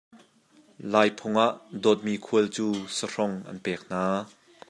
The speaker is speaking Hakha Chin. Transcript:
Lai phung ah dawtmi khual cu sahrong an pek hna.